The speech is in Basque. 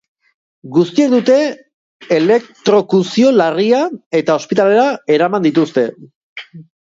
Guztiek dute elektrokuzio larria eta ospitalera eraman dituzte.